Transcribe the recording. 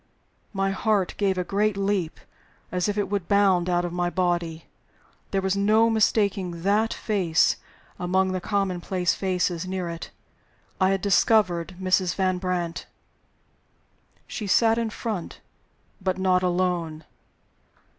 My heart gave a great leap as if it would bound out of my body. There was no mistaking that face among the commonplace faces near it. I had discovered Mrs. Van Brandt! She sat in front but not alone.